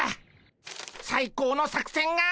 最高の作戦が！